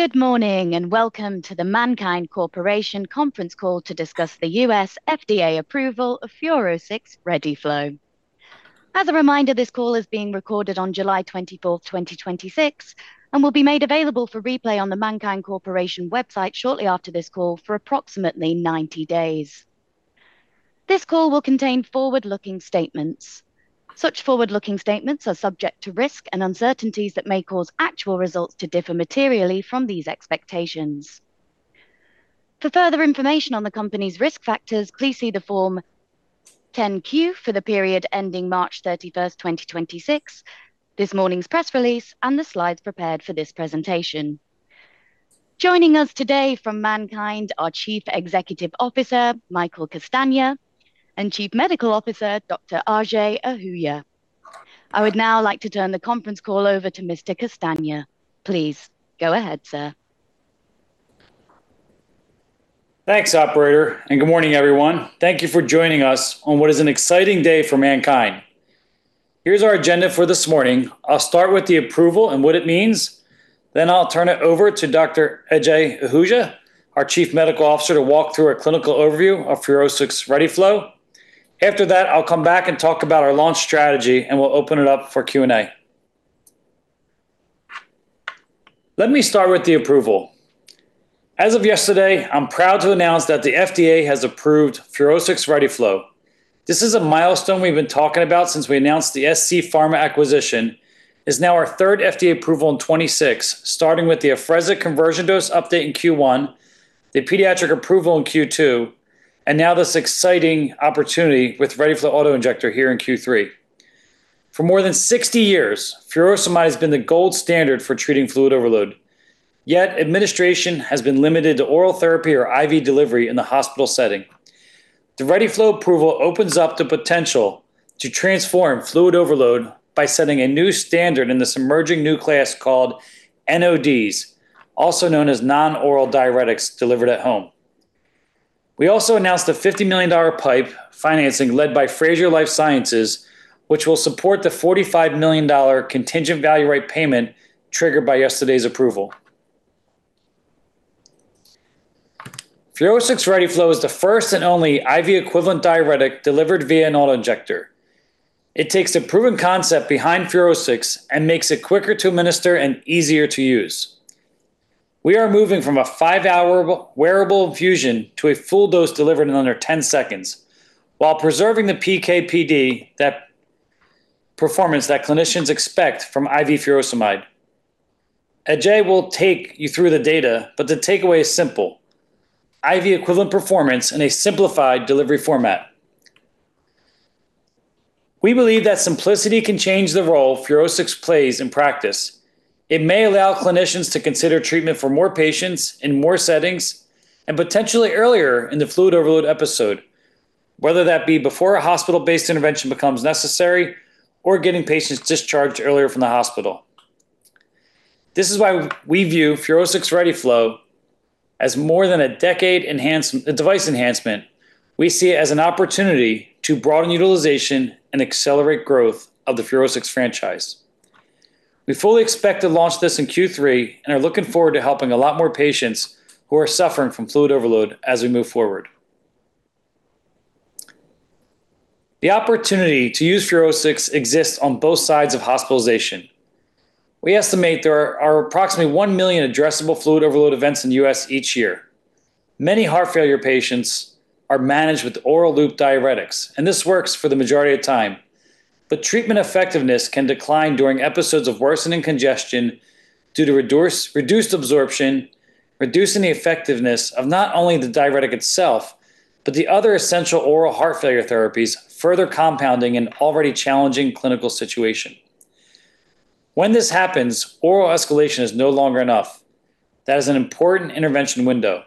Good morning, welcome to the MannKind Corporation conference call to discuss the U.S. FDA approval of FUROSCIX ReadyFlow. As a reminder, this call is being recorded on July 24th, 2026, and will be made available for replay on the MannKind Corporation website shortly after this call for approximately 90 days. This call will contain forward-looking statements. Such forward-looking statements are subject to risks and uncertainties that may cause actual results to differ materially from these expectations. For further information on the company's risk factors, please see the Form 10-Q for the period ending March 31st, 2026, this morning's press release, and the slides prepared for this presentation. Joining us today from MannKind, our Chief Executive Officer, Michael Castagna, and Chief Medical Officer, Dr. Ajay Ahuja. I would now like to turn the conference call over to Mr. Castagna. Please go ahead, sir. Thanks, operator, good morning, everyone. Thank you for joining us on what is an exciting day for MannKind. Here's our agenda for this morning. I'll start with the approval and what it means. I'll turn it over to Dr. Ajay Ahuja, our Chief Medical Officer, to walk through a clinical overview of FUROSCIX ReadyFlow. After that, I'll come back and talk about our launch strategy, and we'll open it up for Q&A. Let me start with the approval. As of yesterday, I'm proud to announce that the FDA has approved FUROSCIX ReadyFlow. This is a milestone we've been talking about since we announced the scPharmaceuticals acquisition. It's now our third FDA approval in 2026, starting with the Afrezza conversion dose update in Q1, the pediatric approval in Q2, and now this exciting opportunity with ReadyFlow auto-injector here in Q3. For more than 60 years, furosemide has been the gold standard for treating fluid overload. Yet, administration has been limited to oral therapy or IV delivery in the hospital setting. The ReadyFlow approval opens up the potential to transform fluid overload by setting a new standard in this emerging new class called NODs, also known as Non-Oral Diuretics delivered at home. We also announced a $50 million PIPE financing led by Frazier Life Sciences, which will support the $45 million contingent value right payment triggered by yesterday's approval. FUROSCIX ReadyFlow is the first and only IV-equivalent diuretic delivered via an auto-injector. It takes the proven concept behind FUROSCIX and makes it quicker to administer and easier to use. We are moving from a five-hour wearable infusion to a full dose delivered in under 10 seconds while preserving the PK/PD performance that clinicians expect from IV furosemide. Ajay will take you through the data, the takeaway is simple. IV-equivalent performance in a simplified delivery format. We believe that simplicity can change the role FUROSCIX plays in practice. It may allow clinicians to consider treatment for more patients in more settings and potentially earlier in the fluid overload episode, whether that be before a hospital-based intervention becomes necessary or getting patients discharged earlier from the hospital. This is why we view FUROSCIX ReadyFlow as more than a decade device enhancement. We see it as an opportunity to broaden utilization and accelerate growth of the FUROSCIX's franchise. We fully expect to launch this in Q3 and are looking forward to helping a lot more patients who are suffering from fluid overload as we move forward. The opportunity to use FUROSCIX exists on both sides of hospitalization. We estimate there are approximately one million addressable fluid overload events in the U.S. each year. Many heart failure patients are managed with oral loop diuretics, this works for the majority of time. Treatment effectiveness can decline during episodes of worsening congestion due to reduced absorption, reducing the effectiveness of not only the diuretic itself, but the other essential oral heart failure therapies, further compounding an already challenging clinical situation. When this happens, oral escalation is no longer enough. That is an important intervention window.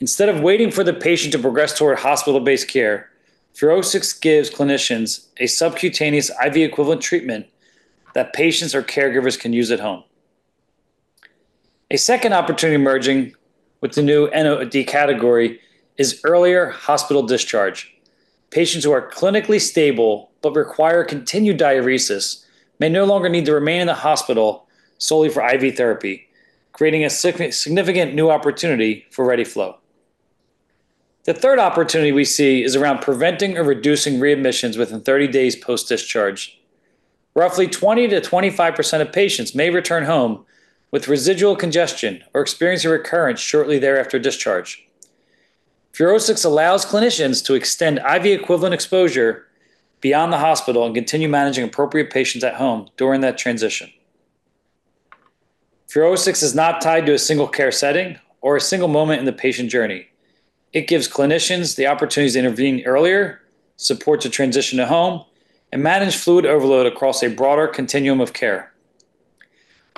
Instead of waiting for the patient to progress toward hospital-based care, FUROSCIX gives clinicians a subcutaneous IV-equivalent treatment that patients or caregivers can use at home. A second opportunity emerging with the new NOD category is earlier hospital discharge. Patients who are clinically stable but require continued diuresis may no longer need to remain in the hospital solely for IV therapy, creating a significant new opportunity for ReadyFlow. The third opportunity we see is around preventing or reducing readmissions within 30 days post-discharge. Roughly 20%-25% of patients may return home with residual congestion or experience a recurrence shortly after discharge. FUROSCIX allows clinicians to extend IV-equivalent exposure beyond the hospital and continue managing appropriate patients at home during that transition. FUROSCIX is not tied to a single care setting or a single moment in the patient journey. It gives clinicians the opportunities to intervene earlier, support the transition to home, and manage fluid overload across a broader continuum of care.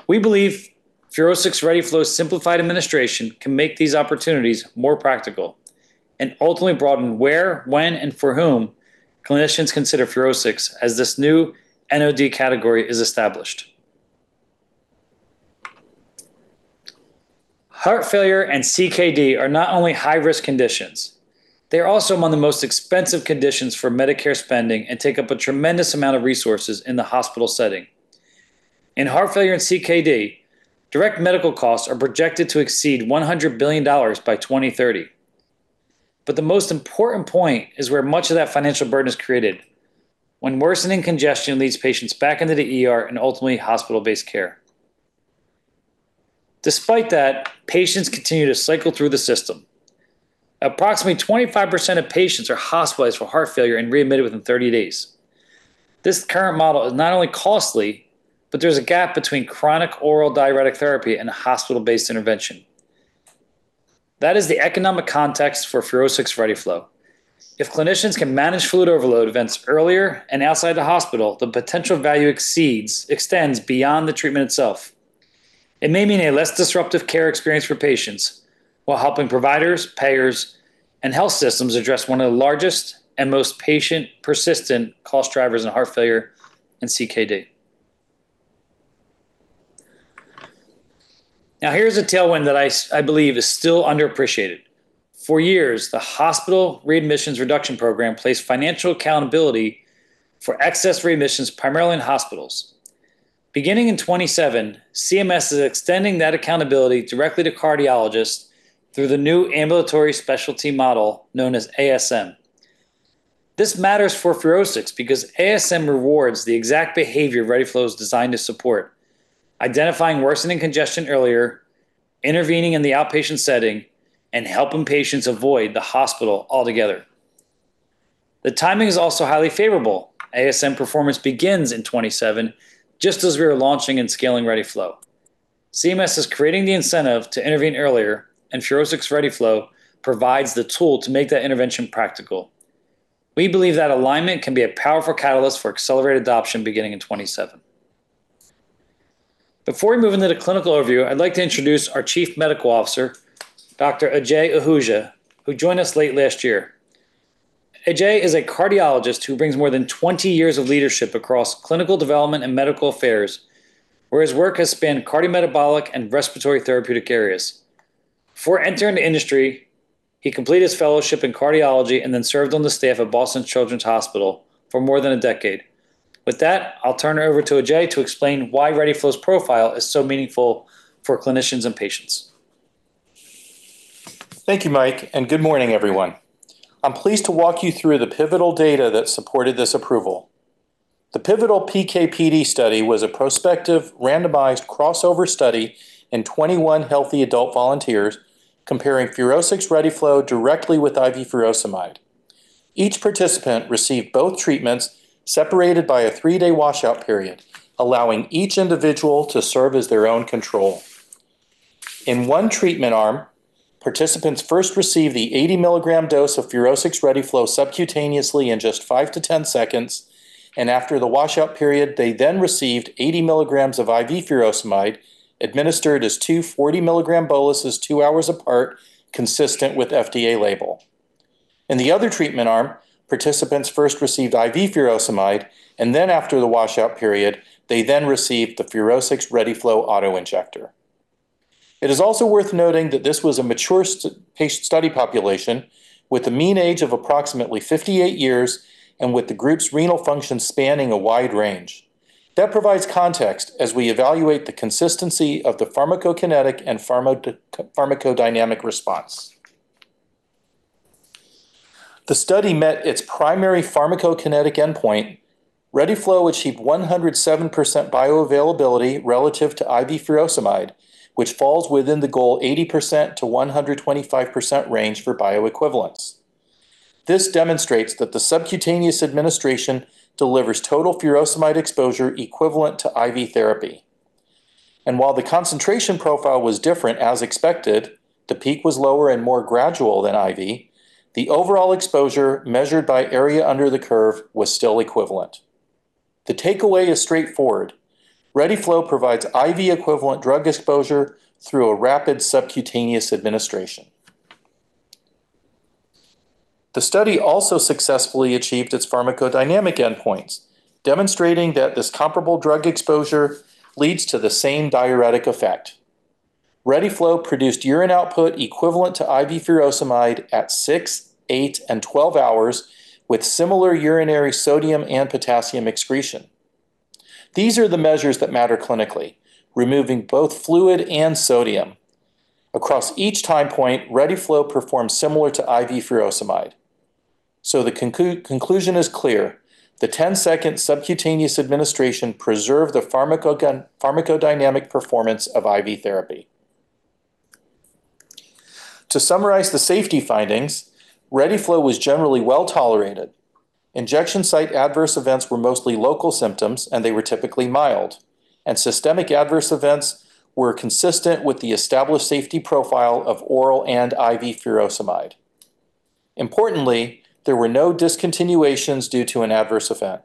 We believe FUROSCIX ReadyFlow's simplified administration can make these opportunities more practical and ultimately broaden where, when, and for whom clinicians consider FUROSCIX as this new NOD category is established. Heart failure and CKD are not only high-risk conditions, they are also among the most expensive conditions for Medicare spending and take up a tremendous amount of resources in the hospital setting. In heart failure and CKD, direct medical costs are projected to exceed $100 billion by 2030. The most important point is where much of that financial burden is created. When worsening congestion leads patients back into the ER and ultimately hospital-based care. Despite that, patients continue to cycle through the system. Approximately 25% of patients are hospitalized for heart failure and readmitted within 30 days. This current model is not only costly, there's a gap between chronic oral diuretic therapy and a hospital-based intervention. That is the economic context for FUROSCIX ReadyFlow. If clinicians can manage fluid overload events earlier and outside the hospital, the potential value extends beyond the treatment itself. It may mean a less disruptive care experience for patients while helping providers, payers, and health systems address one of the largest and most patient-persistent cost drivers in heart failure and CKD. Now here is a tailwind that I believe is still underappreciated. For years, the Hospital Readmissions Reduction Program placed financial accountability for excess readmissions primarily in hospitals. Beginning in 2027, CMS is extending that accountability directly to cardiologists through the new ambulatory specialty model known as ASM. This matters for FUROSCIX because ASM rewards the exact behavior ReadyFlow is designed to support. Identifying worsening congestion earlier, intervening in the outpatient setting, and helping patients avoid the hospital altogether. The timing is also highly favorable. ASM performance begins in 2027, just as we are launching and scaling ReadyFlow. CMS is creating the incentive to intervene earlier and FUROSCIX ReadyFlow provides the tool to make that intervention practical. We believe that alignment can be a powerful catalyst for accelerated adoption beginning in 2027. Before we move into the clinical overview, I'd like to introduce our Chief Medical Officer, Dr. Ajay Ahuja, who joined us late last year. Ajay is a cardiologist who brings more than 20 years of leadership across clinical development and medical affairs, where his work has spanned cardiometabolic and respiratory therapeutic areas. Before entering the industry, he completed his fellowship in cardiology and then served on the staff of Boston Children's Hospital for more than a decade. With that, I'll turn it over to Ajay to explain why ReadyFlow's profile is so meaningful for clinicians and patients. Thank you, Mike. Good morning, everyone. I'm pleased to walk you through the pivotal data that supported this approval. The pivotal PK/PD study was a prospective, randomized crossover study in 21 healthy adult volunteers comparing FUROSCIX ReadyFlow directly with IV furosemide. Each participant received both treatments separated by a three-day washout period, allowing each individual to serve as their own control. In one treatment arm, participants first received the 80 mg dose of FUROSCIX ReadyFlow subcutaneously in just 5-10 seconds. After the washout period, they then received 80 mg of IV furosemide administered as two 40 mg boluses two hours apart, consistent with FDA label. In the other treatment arm, participants first received IV furosemide. After the washout period, they then received the FUROSCIX ReadyFlow auto-injector. It is also worth noting that this was a mature age study population with a mean age of approximately 58 years and with the group's renal function spanning a wide range. That provides context as we evaluate the consistency of the pharmacokinetic and pharmacodynamic response. The study met its primary pharmacokinetic endpoint. ReadyFlow achieved 107% bioavailability relative to IV furosemide, which falls within the goal 80%-125% range for bioequivalence. This demonstrates that the subcutaneous administration delivers total furosemide exposure equivalent to IV therapy. While the concentration profile was different, as expected, the peak was lower and more gradual than IV. The overall exposure measured by area under the curve was still equivalent. The takeaway is straightforward. ReadyFlow provides IV-equivalent drug exposure through a rapid subcutaneous administration. The study also successfully achieved its pharmacodynamic endpoints, demonstrating that this comparable drug exposure leads to the same diuretic effect. ReadyFlow produced urine output equivalent to IV furosemide at six, eight, and 12 hours with similar urinary sodium and potassium excretion. These are the measures that matter clinically, removing both fluid and sodium. Across each time point, ReadyFlow performed similar to IV furosemide. The conclusion is clear. The 10-second subcutaneous administration preserved the pharmacodynamic performance of IV therapy. To summarize the safety findings, ReadyFlow was generally well-tolerated. Injection site adverse events were mostly local symptoms, they were typically mild. Systemic adverse events were consistent with the established safety profile of oral and IV furosemide. Importantly, there were no discontinuations due to an adverse event.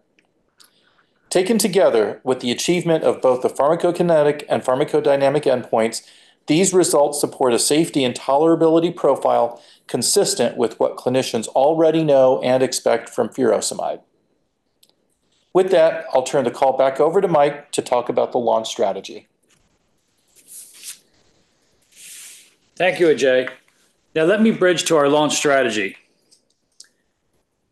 Taken together with the achievement of both the pharmacokinetic and pharmacodynamic endpoints, these results support a safety and tolerability profile consistent with what clinicians already know and expect from furosemide. With that, I'll turn the call back over to Mike to talk about the launch strategy. Thank you, Ajay. Now let me bridge to our launch strategy.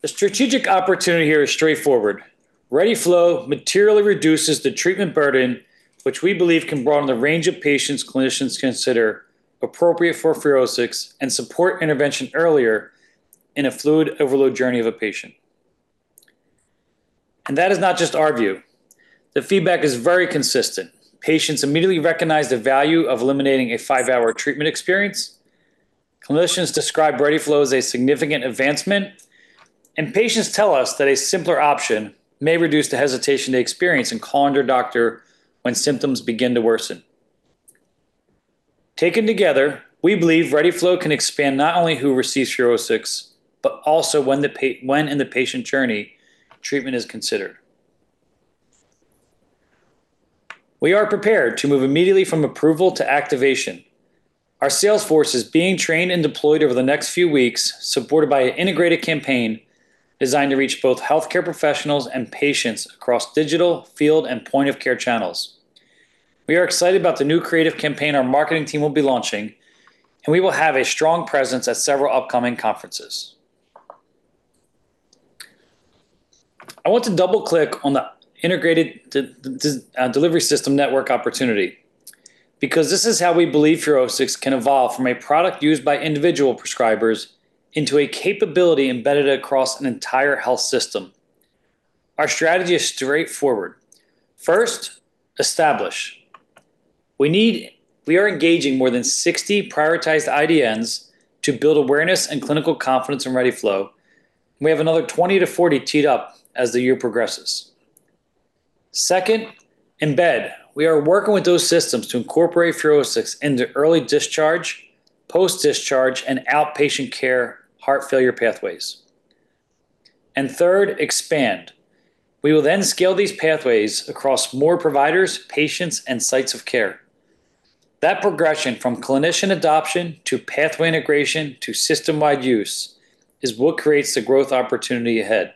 The strategic opportunity here is straightforward. ReadyFlow materially reduces the treatment burden, which we believe can broaden the range of patients clinicians consider appropriate for FUROSCIX and support intervention earlier in a fluid overload journey of a patient. That is not just our view. The feedback is very consistent. Patients immediately recognize the value of eliminating a five-hour treatment experience, clinicians describe ReadyFlow as a significant advancement, and patients tell us that a simpler option may reduce the hesitation they experience in calling their doctor when symptoms begin to worsen. Taken together, we believe ReadyFlow can expand not only who receives FUROSCIX, but also when in the patient journey treatment is considered. We are prepared to move immediately from approval to activation. Our sales force is being trained and deployed over the next few weeks, supported by an integrated campaign designed to reach both healthcare professionals and patients across digital, field, and point of care channels. We are excited about the new creative campaign our marketing team will be launching, and we will have a strong presence at several upcoming conferences. I want to double-click on the integrated delivery system network opportunity, because this is how we believe FUROSCIX can evolve from a product used by individual prescribers into a capability embedded across an entire health system. Our strategy is straightforward. First, establish. We are engaging more than 60 prioritized IDNs to build awareness and clinical confidence in ReadyFlow. We have another 20-40 teed up as the year progresses. Second, embed. We are working with those systems to incorporate FUROSCIX into early discharge, post-discharge, and outpatient care heart failure pathways. Third, expand. We will then scale these pathways across more providers, patients, and sites of care. That progression from clinician adoption to pathway integration to system-wide use is what creates the growth opportunity ahead.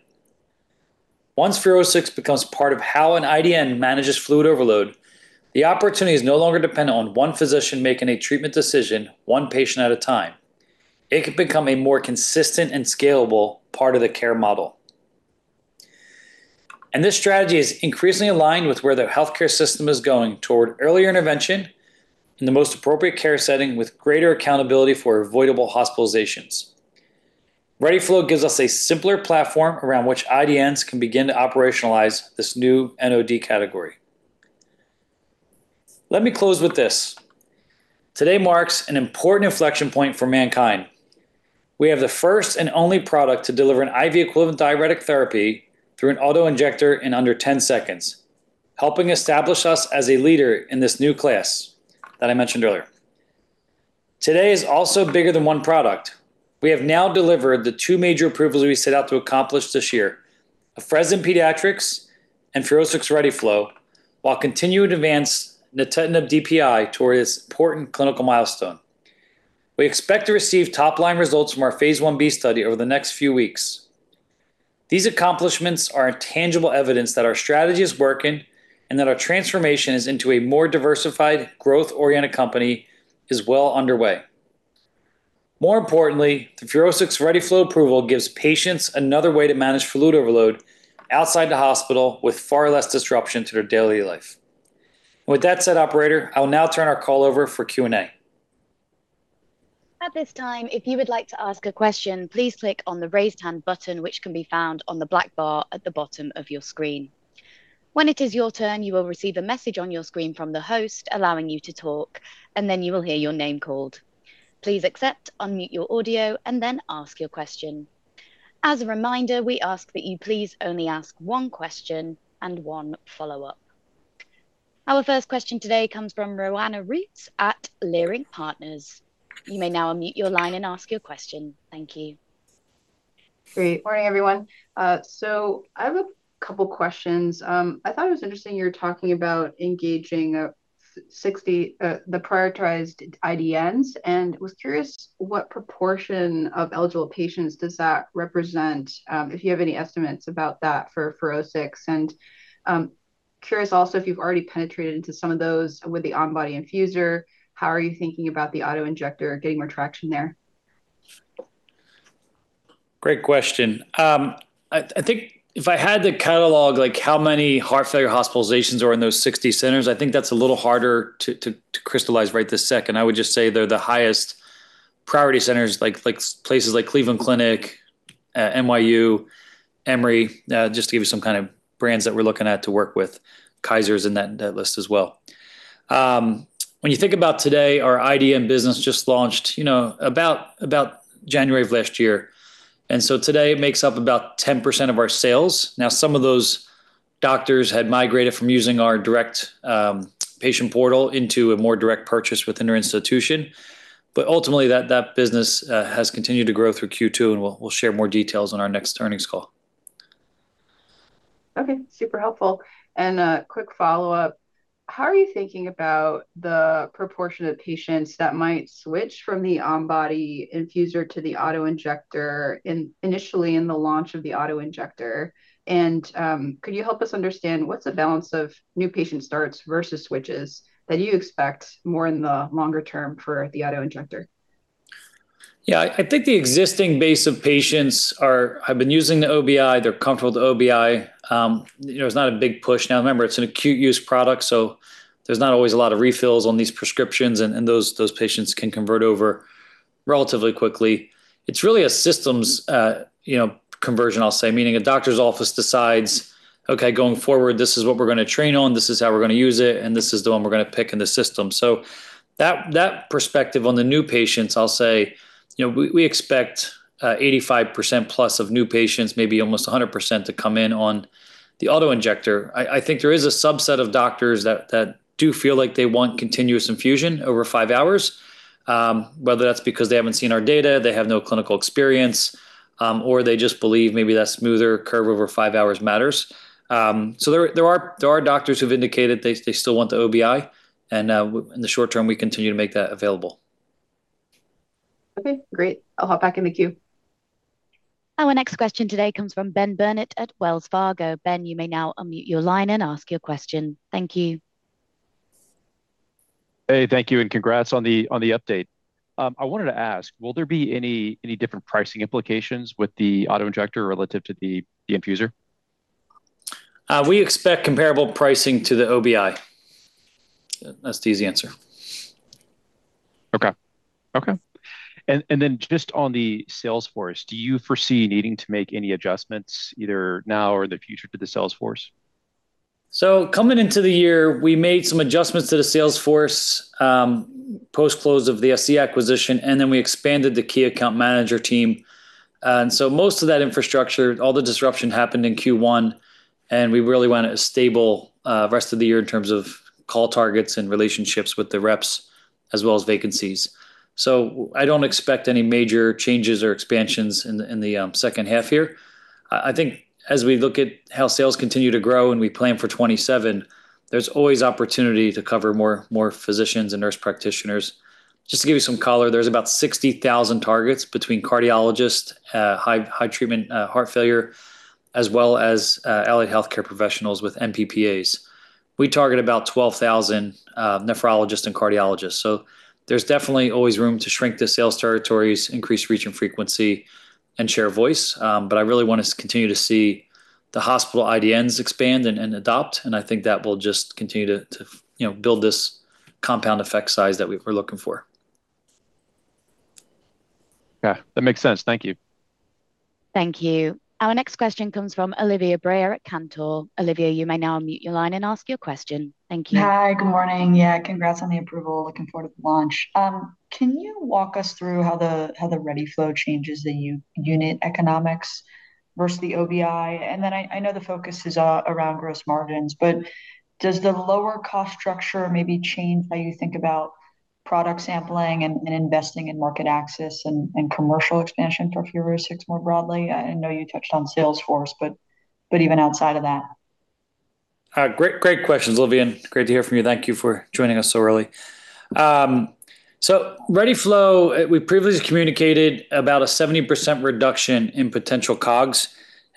Once FUROSCIX becomes part of how an IDN manages fluid overload, the opportunity is no longer dependent on one physician making a treatment decision one patient at a time. It could become a more consistent and scalable part of the care model. This strategy is increasingly aligned with where the healthcare system is going toward earlier intervention in the most appropriate care setting with greater accountability for avoidable hospitalizations. ReadyFlow gives us a simpler platform around which IDNs can begin to operationalize this new NOD category. Let me close with this. Today marks an important inflection point for MannKind. We have the first and only product to deliver an IV-equivalent diuretic therapy through an autoinjector in under 10 seconds, helping establish us as a leader in this new class that I mentioned earlier. Today is also bigger than one product. We have now delivered the two major approvals we set out to accomplish this year, Afrezza in pediatrics and FUROSCIX ReadyFlow, while continuing to advance nintedanib DPI toward its important clinical milestone. We expect to receive top-line results from our Phase Ib study over the next few weeks. These accomplishments are tangible evidence that our strategy is working, and that our transformation into a more diversified, growth-oriented company is well underway. More importantly, the FUROSCIX ReadyFlow approval gives patients another way to manage fluid overload outside the hospital with far less disruption to their daily life. With that said, operator, I will now turn our call over for Q&A. At this time, if you would like to ask a question, please click on the raise hand button, which can be found on the black bar at the bottom of your screen. When it is your turn, you will receive a message on your screen from the host allowing you to talk, and then you will hear your name called. Please accept, unmute your audio, and then ask your question. As a reminder, we ask that you please only ask one question and one follow-up. Our first question today comes from Roanna Ruiz at Leerink Partners. You may now unmute your line and ask your question. Thank you. Great. Morning, everyone. I have a couple questions. I thought it was interesting you were talking about engaging 60, the prioritized IDNs, and was curious what proportion of eligible patients does that represent, if you have any estimates about that for FUROSCIX. Curious also if you've already penetrated into some of those with the on-body infuser. How are you thinking about the autoinjector getting more traction there? Great question. I think if I had to catalog how many heart failure hospitalizations are in those 60 centers, I think that's a little harder to crystallize right this second. I would just say they're the highest priority centers, places like Cleveland Clinic, NYU, Emory, just to give you some kind of brands that we're looking at to work with. Kaiser's in that list as well. When you think about today, our IDN business just launched about January of last year. Today it makes up about 10% of our sales. Now, some of those doctors had migrated from using our direct patient portal into a more direct purchase within their institution. Ultimately, that business has continued to grow through Q2, and we'll share more details on our next earnings call. Okay. Super helpful. A quick follow-up How are you thinking about the proportion of patients that might switch from the on-body infuser to the autoinjector initially in the launch of the autoinjector? Could you help us understand what's the balance of new patient starts versus switches that you expect more in the longer term for the autoinjector? Yeah. I think the existing base of patients have been using the OBI, they're comfortable with the OBI. It's not a big push. Now, remember, it's an acute use product, so there's not always a lot of refills on these prescriptions, and those patients can convert over relatively quickly. It's really a systems conversion, I'll say, meaning a doctor's office decides, okay, going forward, this is what we're going to train on, this is how we're going to use it, and this is the one we're going to pick in the system. That perspective on the new patients, I'll say, we expect +85% of new patients, maybe almost 100% to come in on the autoinjector. I think there is a subset of doctors that do feel like they want continuous infusion over five hours. Whether that's because they haven't seen our data, they have no clinical experience, or they just believe maybe that smoother curve over five hours matters. There are doctors who've indicated they still want the OBI, and in the short term, we continue to make that available. Okay, great. I'll hop back in the queue. Our next question today comes from Ben Burnett at Wells Fargo. Ben, you may now unmute your line and ask your question. Thank you. Hey, thank you, congrats on the update. I wanted to ask, will there be any different pricing implications with the autoinjector relative to the on-body infuser? We expect comparable pricing to the OBI. That's the easy answer. Okay. Just on the sales force, do you foresee needing to make any adjustments either now or in the future to the sales force? Coming into the year, we made some adjustments to the sales force, post-close of the SC acquisition, and then we expanded the key account manager team. Most of that infrastructure, all the disruption happened in Q1, and we really want a stable rest of the year in terms of call targets and relationships with the reps, as well as vacancies. I don't expect any major changes or expansions in the second half here. I think as we look at how sales continue to grow and we plan for 2027, there's always opportunity to cover more physicians and nurse practitioners. Just to give you some color, there's about 60,000 targets between cardiologists, high treatment heart failure, as well as allied healthcare professionals with NP/PAs. We target about 12,000 nephrologists and cardiologists. There's definitely always room to shrink the sales territories, increase reach and frequency, and share voice. I really want us continue to see the hospital IDNs expand and adopt, and I think that will just continue to build this compound effect size that we're looking for. Okay. That makes sense. Thank you. Thank you. Our next question comes from Olivia Brayer at Cantor. Olivia, you may now unmute your line and ask your question. Thank you. Hi. Good morning. Congrats on the approval. Looking forward to the launch. Can you walk us through how the ReadyFlow changes the unit economics versus the OBI? I know the focus is around gross margins, but does the lower cost structure maybe change how you think about product sampling and investing in market access and commercial expansion for FUROSCIX more broadly? I know you touched on sales force, but even outside of that. Great questions, Olivia, and great to hear from you. Thank you for joining us so early. ReadyFlow, we previously communicated about a 70% reduction in potential COGS,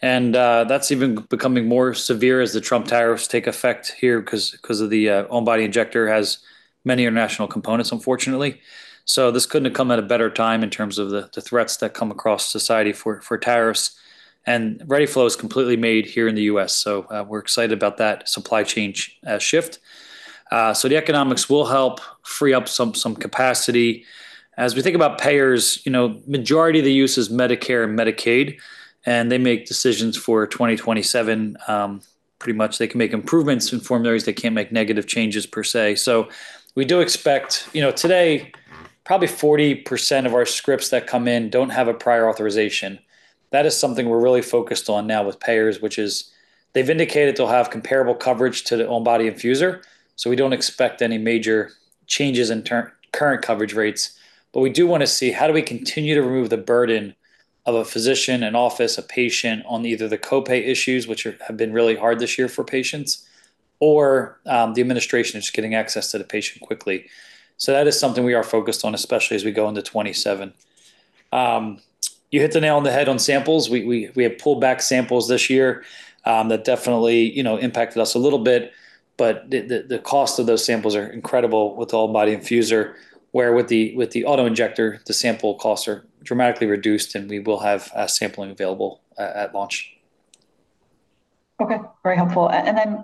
and that's even becoming more severe as the Trump tariffs take effect here because the on-body infuser has many international components, unfortunately. This couldn't have come at a better time in terms of the threats that come across society for tariffs. ReadyFlow is completely made here in the U.S., so we're excited about that supply change shift. The economics will help free up some capacity. As we think about payers, majority of the use is Medicare and Medicaid, and they make decisions for 2027. Pretty much they can make improvements in formularies. They can't make negative changes per se. Today, probably 40% of our scripts that come in don't have a prior authorization. That is something we are really focused on now with payers, which is they have indicated they will have comparable coverage to the on-body infusor. We do not expect any major changes in current coverage rates. We do want to see how do we continue to remove the burden of a physician, an office, a patient on either the copay issues, which have been really hard this year for patients, or the administration of just getting access to the patient quickly. That is something we are focused on, especially as we go into 2027. You hit the nail on the head on samples. We have pulled back samples this year. That definitely impacted us a little bit, but the cost of those samples are incredible with the on-body infusor, where with the autoinjector, the sample costs are dramatically reduced, and we will have sampling available at launch. Okay. Very helpful.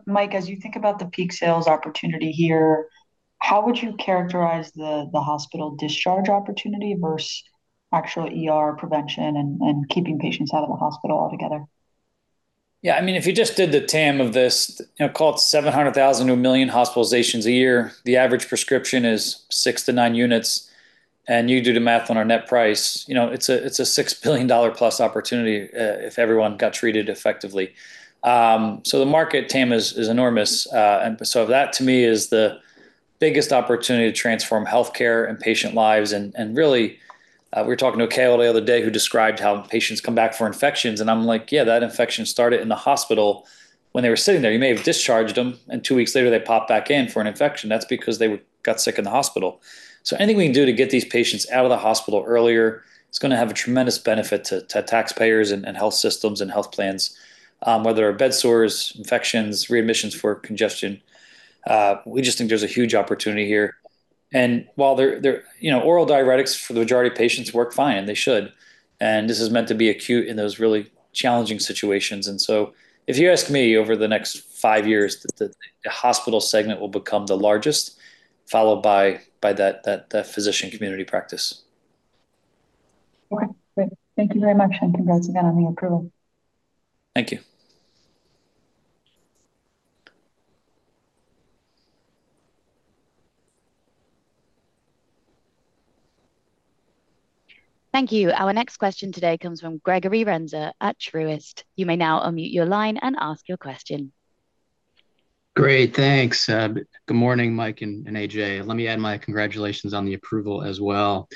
Mike, as you think about the peak sales opportunity here, how would you characterize the hospital discharge opportunity versus actual ER prevention and keeping patients out of the hospital altogether? If you just did the TAM of this, call it 700,000-1 million hospitalizations a year. The average prescription is 6-9 units, and you do the math on our net price. It is a $6 billion+ opportunity if everyone got treated effectively. The market TAM is enormous. That to me is the biggest opportunity to transform healthcare and patient lives. We were talking to Kale the other day who described how patients come back for infections, and I am like, yeah, that infection started in the hospital when they were sitting there. You may have discharged them, and two weeks later they pop back in for an infection. That is because they got sick in the hospital. Anything we can do to get these patients out of the hospital earlier, it is going to have a tremendous benefit to taxpayers and health systems and health plans. Whether they are bedsores, infections, readmissions for congestion, we just think there is a huge opportunity here. While oral diuretics for the majority of patients work fine, they should. This is meant to be acute in those really challenging situations. If you ask me, over the next five years, the hospital segment will become the largest, followed by that physician community practice. Okay. Great. Thank you very much, and congrats again on the approval. Thank you. Thank you. Our next question today comes from Gregory Renza at Truist. You may now unmute your line and ask your question. Great, thanks. Good morning, Mike and AJ. Let me add my congratulations on the approval as well.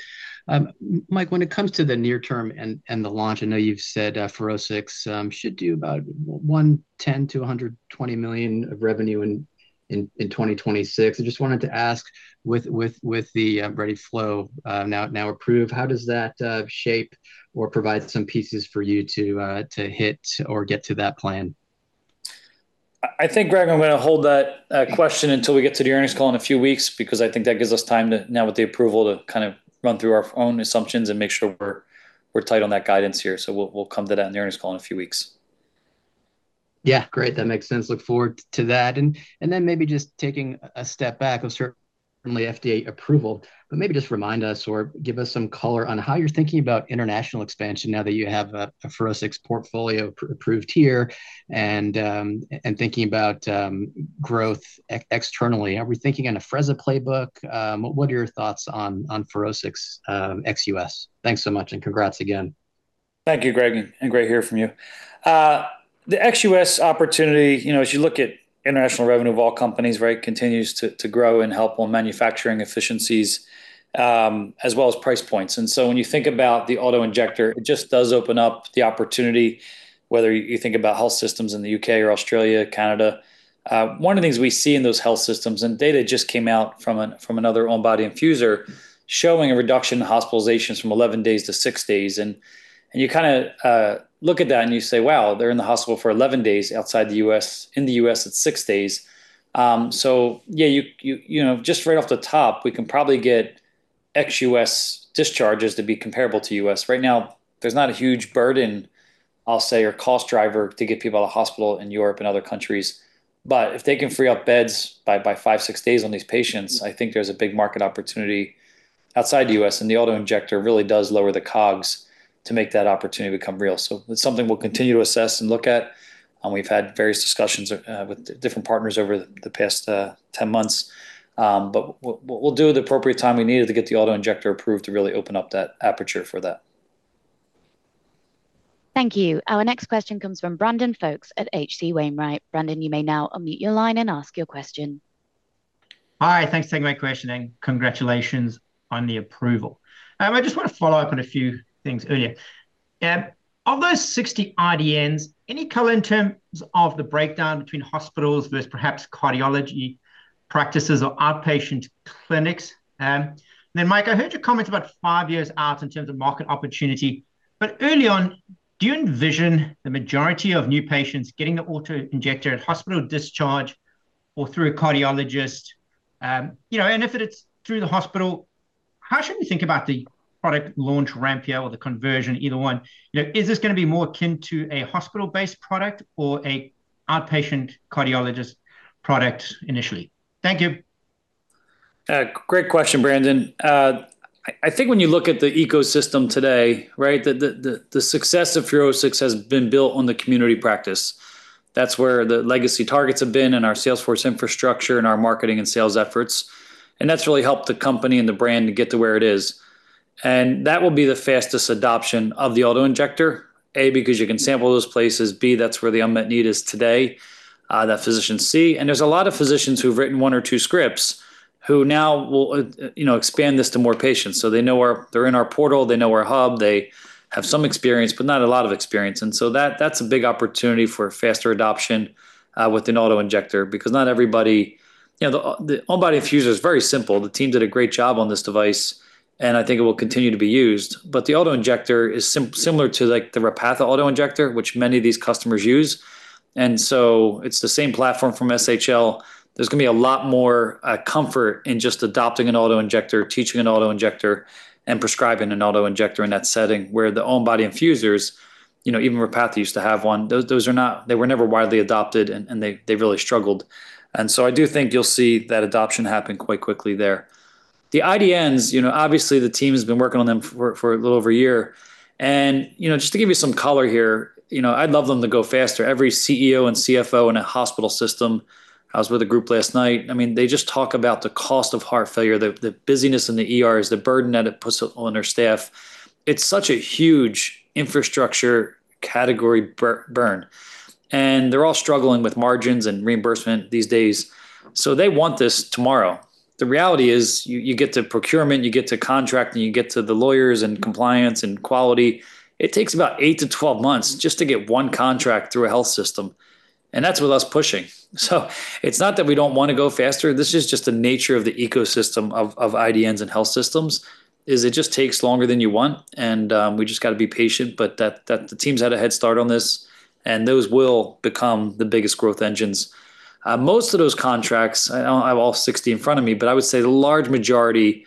Mike, when it comes to the near term and the launch, I know you've said FUROSCIX should do about $110 million-$120 million of revenue in 2026. I just wanted to ask with the ReadyFlow now approved, how does that shape or provide some pieces for you to hit or get to that plan? I think, Greg, I'm going to hold that question until we get to the earnings call in a few weeks, because I think that gives us time to now with the approval to run through our own assumptions and make sure we're tight on that guidance here. We'll come to that in the earnings call in a few weeks. Yeah. Great. That makes sense. Look forward to that. Then maybe just taking a step back of certainly FDA approval, but maybe just remind us or give us some color on how you're thinking about international expansion now that you have a FUROSCIX portfolio approved here and thinking about growth externally. Are we thinking in an Afrezza playbook? What are your thoughts on FUROSCIX ex-U.S.? Thanks so much, and congrats again. Thank you, Greg, and great hear from you. The ex-U.S. opportunity, as you look at international revenue of all companies, continues to grow and help on manufacturing efficiencies, as well as price points. When you think about the auto-injector, it just does open up the opportunity, whether you think about health systems in the U.K. or Australia, Canada. One of the things we see in those health systems, and data just came out from another on-body infuser, showing a reduction in hospitalizations from 11 days to six days. You look at that and you say, wow, they're in the hospital for 11 days outside the U.S. In the U.S., it's six days. Yeah, just right off the top, we can probably get ex-U.S. discharges to be comparable to U.S. Right now, there's not a huge burden, I'll say, or cost driver to get people out of hospital in Europe and other countries. If they can free up beds by five, six days on these patients, I think there's a big market opportunity outside the U.S., and the auto-injector really does lower the COGS to make that opportunity become real. It's something we'll continue to assess and look at. We've had various discussions with different partners over the past 10 months. We'll do at the appropriate time we needed to get the auto-injector approved to really open up that aperture for that. Thank you. Our next question comes from Brandon Folkes at H.C. Wainwright. Brandon, you may now unmute your line and ask your question. Hi, thanks. Thank you my question and congratulations on the approval. I just want to follow up on a few things earlier. Of those 60 IDNs, any color in terms of the breakdown between hospitals versus perhaps cardiology practices or outpatient clinics? Mike, I heard your comments about five years out in terms of market opportunity. Early on, do you envision the majority of new patients getting the auto-injector at hospital discharge or through a cardiologist? If it's through the hospital, how should we think about the product launch ramp here or the conversion, either one? Is this going to be more akin to a hospital-based product or an outpatient cardiologist product initially? Thank you. Great question, Brandon. I think when you look at the ecosystem today, the success of FUROSCIX has been built on the community practice. That's where the legacy targets have been and our salesforce infrastructure and our marketing and sales efforts. That's really helped the company and the brand to get to where it is. That will be the fastest adoption of the auto-injector. A, because you can sample those places, B, that's where the unmet need is today, that physicians see. There's a lot of physicians who've written one or two scripts who now will expand this to more patients. They're in our portal, they know our hub, they have some experience, but not a lot of experience. That's a big opportunity for faster adoption, with an auto-injector, because not everybody. The on-body infuser is very simple. The team did a great job on this device, and I think it will continue to be used. The auto-injector is similar to the Repatha auto-injector, which many of these customers use. It's the same platform from SHL. There's going to be a lot more comfort in just adopting an auto-injector, teaching an auto-injector, and prescribing an auto-injector in that setting where the on-body infusers, even Repatha used to have one. Those were never widely adopted, and they really struggled. I do think you'll see that adoption happen quite quickly there. The IDNs, obviously the team has been working on them for a little over a year. Just to give you some color here, I'd love them to go faster. Every CEO and CFO in a hospital system, I was with a group last night, they just talk about the cost of heart failure, the busyness in the ERs, the burden that it puts on their staff. It's such a huge infrastructure category burn. They're all struggling with margins and reimbursement these days. They want this tomorrow. The reality is you get to procurement, you get to contract, and you get to the lawyers and compliance and quality. It takes about 8-12 months just to get one contract through a health system, and that's with us pushing. It's not that we don't want to go faster, this is just the nature of the ecosystem of IDNs and health systems, it just takes longer than you want, and we just got to be patient. The teams had a head start on this, and those will become the biggest growth engines. Most of those contracts, I don't have all 60 in front of me, but I would say the large majority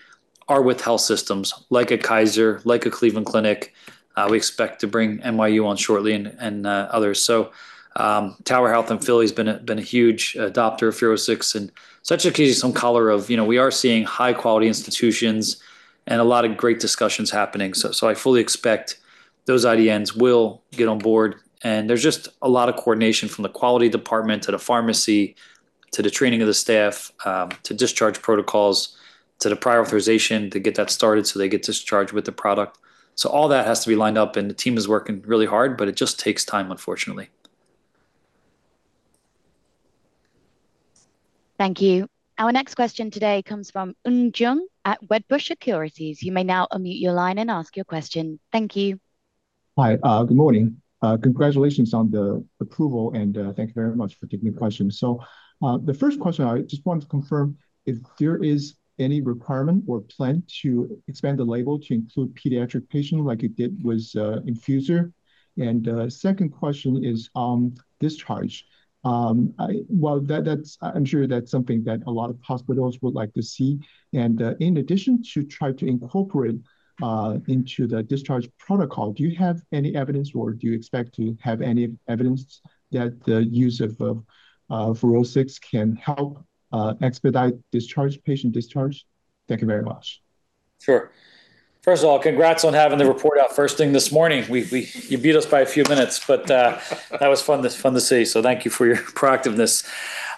are with health systems like a Kaiser, like a Cleveland Clinic. We expect to bring NYU on shortly and others. Tower Health in Philly has been a huge adopter of FUROSCIX, and so that should give you some color of we are seeing high-quality institutions and a lot of great discussions happening. I fully expect those IDNs will get on board. There's just a lot of coordination from the quality department to the pharmacy, to the training of the staff, to discharge protocols, to the prior authorization to get that started so they get discharged with the product. All that has to be lined up and the team is working really hard, but it just takes time, unfortunately. Thank you. Our next question today comes from Yun Zhong at Wedbush Securities. You may now unmute your line and ask your question. Thank you. Hi. Good morning. Congratulations on the approval, and thank you very much for taking the question. The first question, I just wanted to confirm if there is any requirement or plan to expand the label to include pediatric patients like it did with Infuser. Second question is on discharge. I am sure that is something that a lot of hospitals would like to see. In addition to try to incorporate into the discharge protocol, do you have any evidence, or do you expect to have any evidence that the use of FUROSCIX can help expedite patient discharge? Thank you very much. Sure. First of all, congrats on having the report out first thing this morning. You beat us by a few minutes, but that was fun to see, so thank you for your proactiveness.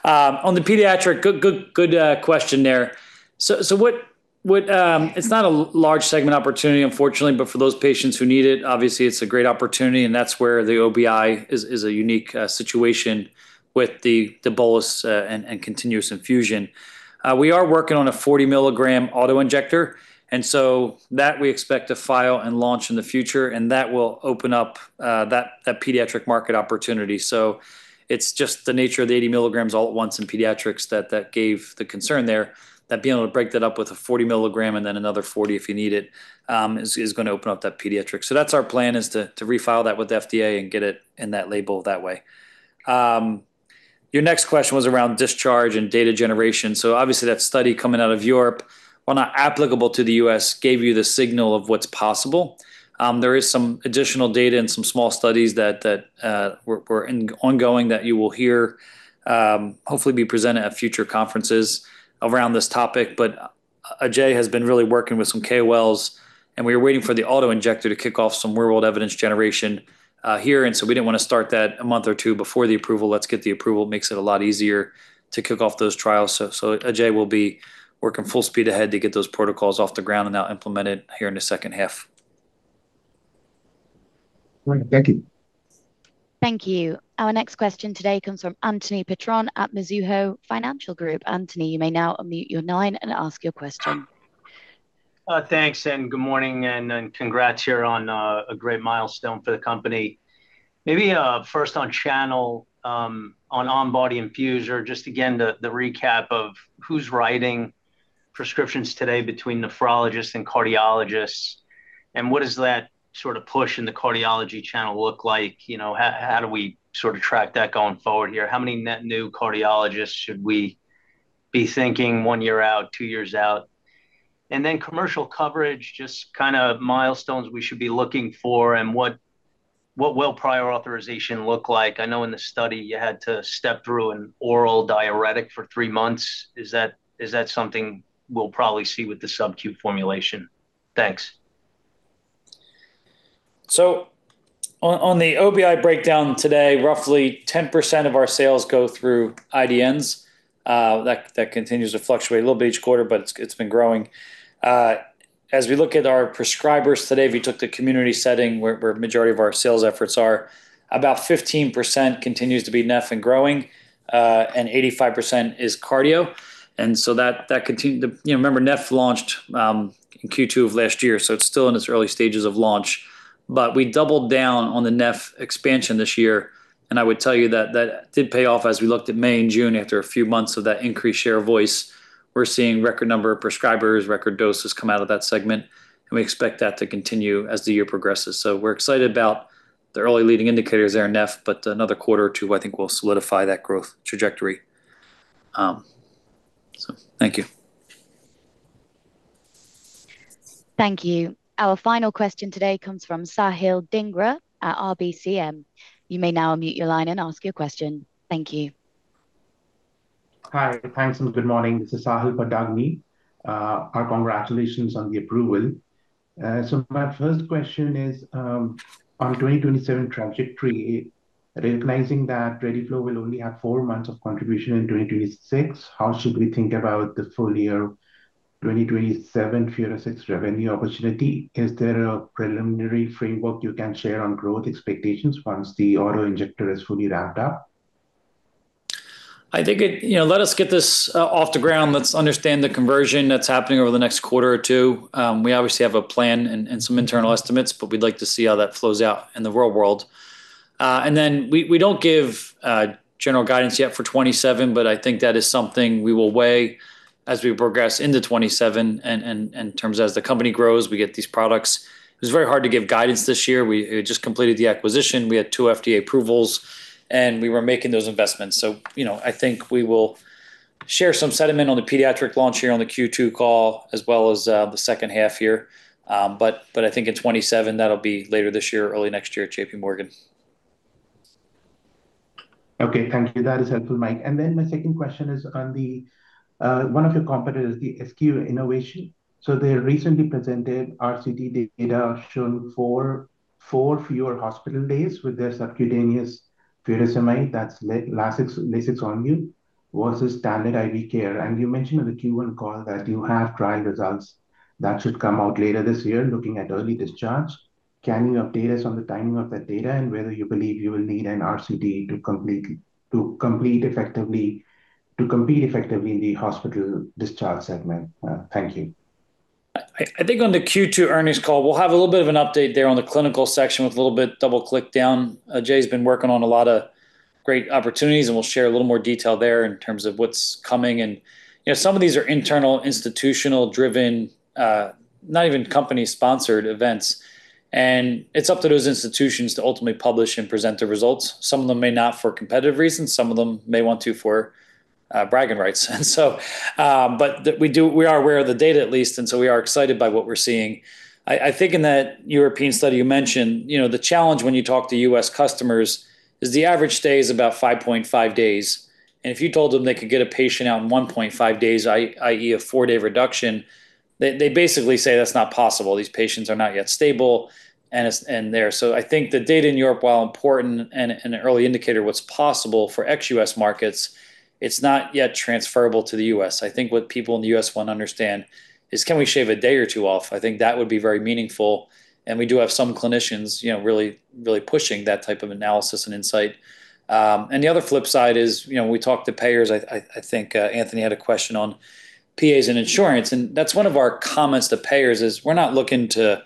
On the pediatric, good question there. It is not a large segment opportunity, unfortunately, but for those patients who need it, obviously, it is a great opportunity, and that is where the OBI is a unique situation with the bolus and continuous infusion. We are working on a 40 mg auto-injector, and that we expect to file and launch in the future, and that will open up that pediatric market opportunity. It is just the nature of the 80 mg all at once in pediatrics that gave the concern there, that being able to break that up with a 40 mg and then another 40 mg if you need it, is going to open up that pediatric. That is our plan is to refile that with FDA and get it in that label that way. Your next question was around discharge and data generation. Obviously that study coming out of Europe, while not applicable to the U.S., gave you the signal of what is possible. There is some additional data and some small studies that were ongoing that you will hear hopefully be presented at future conferences around this topic. But Ajay has been really working with some KOLs, and we are waiting for the auto-injector to kick off some real-world evidence generation here. We didn't want to start that a month or two before the approval. Let us get the approval. It makes it a lot easier to kick off those trials. Ajay will be working full-speed ahead to get those protocols off the ground and now implemented here in the second half. All right. Thank you. Thank you. Our next question today comes from Anthony Petrone at Mizuho Financial Group. Anthony, you may now unmute your line and ask your question. Thanks. Good morning, and congrats here on a great milestone for the company. Maybe first on channel, on On-Body Infusor, just again, the recap of who's writing prescriptions today between nephrologists and cardiologists, and what does that sort of push in the cardiology channel look like? How do we sort of track that going forward here? How many net new cardiologists should we be thinking one year out, two years out? Then commercial coverage, just kind of milestones we should be looking for and what will prior authorization look like? I know in the study you had to step through an oral diuretic for three months. Is that something we'll probably see with the sub-Q formulation? Thanks. On the OBI breakdown today, roughly 10% of our sales go through IDNs. That continues to fluctuate a little bit each quarter, but it's been growing. As we look at our prescribers today, if you took the community setting where majority of our sales efforts are, about 15% continues to be Neph and growing, and 85% is Cardio. Remember, Neph launched in Q2 of last year, so it's still in its early stages of launch. We doubled down on the Neph expansion this year, and I would tell you that that did pay off as we looked at May and June. After a few months of that increased share of voice, we're seeing record number of prescribers, record doses come out of that segment, and we expect that to continue as the year progresses. We're excited about the early leading indicators there in Neph, another quarter or two I think will solidify that growth trajectory. Thank you. Thank you. Our final question today comes from Sahil Dhingra at RBCM. You may now unmute your line and ask your question. Thank you. Hi. Thanks and good morning. This is Sahil Dhingra. Congratulations on the approval. My first question is, on 2027 trajectory, recognizing that ReadyFlow will only have four months of contribution in 2026, how should we think about the full-year 2027 FUROSCIX revenue opportunity? Is there a preliminary framework you can share on growth expectations once the autoinjector is fully ramped up? Let us get this off the ground. Let's understand the conversion that's happening over the next quarter or two. We obviously have a plan and some internal estimates, but we'd like to see how that flows out in the real world. We don't give general guidance yet for 2027, but I think that is something we will weigh as we progress into 2027 and in terms as the company grows, we get these products. It was very hard to give guidance this year. We just completed the acquisition. We had two FDA approvals, and we were making those investments. I think we will share some sentiment on the pediatric launch here on the Q2 call as well as the second half year. I think in 2027, that'll be later this year, early next year at JPMorgan. Okay, thank you. That is helpful, Mike. My second question is on one of your competitors, SQ Innovation. They recently presented RCT data showing four fewer hospital days with their subcutaneous furosemide, that's LASIX, versus standard IV care. You mentioned on the Q1 call that you have trial results that should come out later this year looking at early discharge. Can you update us on the timing of that data and whether you believe you will need an RCT to compete effectively in the hospital discharge segment? Thank you. I think on the Q2 earnings call, we'll have a little bit of an update there on the clinical section with a little bit double-click down. Jay's been working on a lot of great opportunities, and we'll share a little more detail there in terms of what's coming. Some of these are internal, institutional-driven, not even company-sponsored events. It's up to those institutions to ultimately publish and present the results. Some of them may not for competitive reasons, some of them may want to for bragging rights. We are aware of the data at least, we are excited by what we're seeing. I think in that European study you mentioned, the challenge when you talk to U.S. customers is the average stay is about 5.5 days. If you told them they could get a patient out in 1.5 days, i.e. a four-day reduction, they basically say that's not possible. These patients are not yet stable and there. I think the data in Europe, while important and an early indicator of what's possible for ex-U.S. markets, it's not yet transferable to the U.S. I think what people in the U.S. want to understand is can we shave a day or two off? I think that would be very meaningful, and we do have some clinicians really pushing that type of analysis and insight. The other flip side is when we talk to payers, I think Anthony had a question on PAs and insurance, that's one of our comments to payers is we're not looking to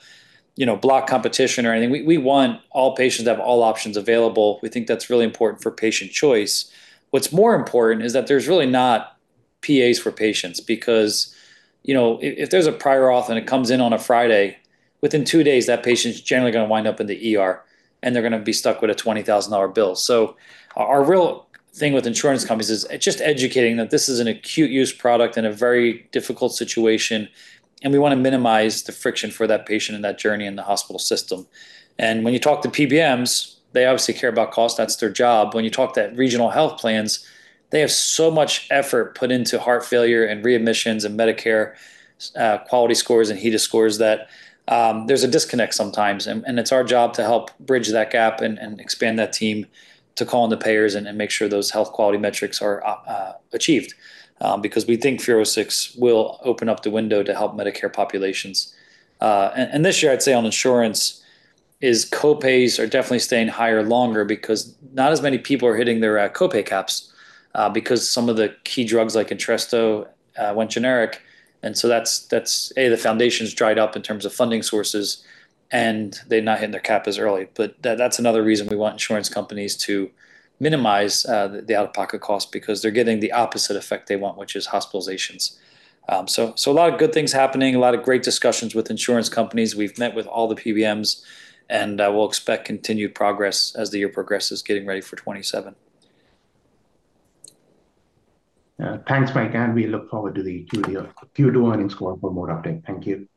block competition or anything. We want all patients to have all options available. We think that's really important for patient choice. What's more important is that there's really not PAs for patients because if there's a prior auth and it comes in on a Friday, within two days, that patient's generally going to wind up in the ER, and they're going to be stuck with a $20,000 bill. Our real thing with insurance companies is just educating that this is an acute use product in a very difficult situation, and we want to minimize the friction for that patient and that journey in the hospital system. When you talk to PBMs, they obviously care about cost. That's their job. When you talk to regional health plans, they have so much effort put into heart failure and readmissions and Medicare quality scores and HEDIS scores that there's a disconnect sometimes. It's our job to help bridge that gap and expand that team to call in the payers and make sure those health quality metrics are achieved, because we think FUROSCIX will open up the window to help Medicare populations. This year, I'd say on insurance is co-pays are definitely staying higher longer because not as many people are hitting their co-pay caps because some of the key drugs like Entresto went generic. That's the foundation's dried up in terms of funding sources, and they're not hitting their caps as early. That's another reason we want insurance companies to minimize the out-of-pocket cost because they're getting the opposite effect they want, which is hospitalizations. A lot of good things happening, a lot of great discussions with insurance companies. We've met with all the PBMs. We'll expect continued progress as the year progresses, getting ready for 2027. Thanks, Mike. We look forward to the Q2 earnings call for more update. Thank you.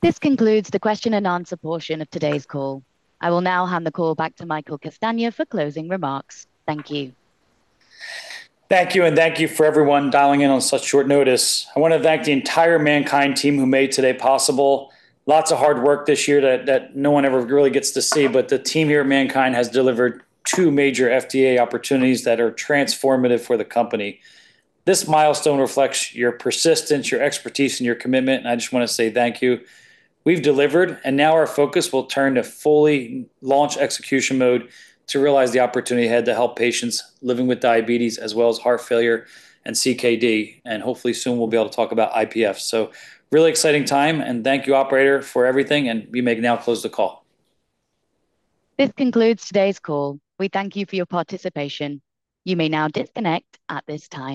This concludes the question and answer portion of today's call. I will now hand the call back to Michael Castagna for closing remarks. Thank you. Thank you. Thank you for everyone dialing in on such short notice. I want to thank the entire MannKind team who made today possible. Lots of hard work this year that no one ever really gets to see, the team here at MannKind has delivered two major FDA opportunities that are transformative for the company. This milestone reflects your persistence, your expertise, and your commitment. I just want to say thank you. We've delivered. Now our focus will turn to fully launch execution mode to realize the opportunity ahead to help patients living with diabetes as well as heart failure and CKD. Hopefully soon we'll be able to talk about IPF. So Really exciting time and thank you operator for everything. You may now close the call. This concludes today's call. We thank you for your participation. You may now disconnect at this time.